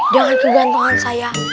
jangan kegantungan saya